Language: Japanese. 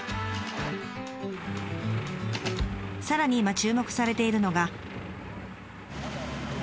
さらに今注目されているのが。